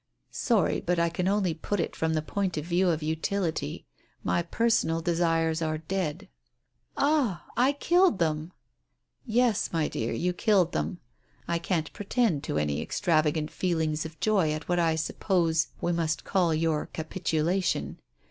"Sorry, but I can only put it from the point of view of utility. My personal desires are dead." "Ah, I killed them." "Yes, my dear, you killed them. I can't pretend to any extravagant feelings of joy at what I suppose we must call your capitulation.